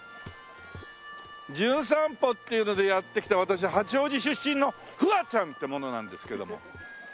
『じゅん散歩』っていうのでやって来た私八王子出身のフワちゃんって者なんですけども。